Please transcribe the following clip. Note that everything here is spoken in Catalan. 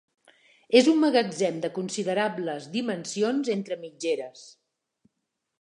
És un magatzem de considerables dimensions, entre mitgeres.